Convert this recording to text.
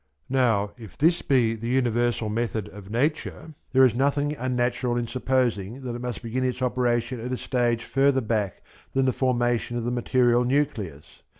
Now if this be the universal method of Nature, there is nothing unnatural in supposing that it must begin its operation at a stage further back than the formation of the material nucleus.